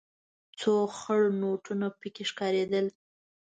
څو خړ نوټونه پکې ښکارېدل.